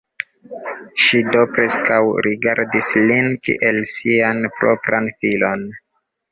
Ŝi do preskaŭ rigardis lin kiel sian propran filon.